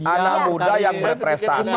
anak muda yang berprestasi